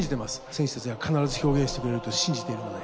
選手たちは必ず表現してくれると信じているので。